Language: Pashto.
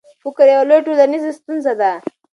فقر یوه لویه ټولنیزه ستونزه ده.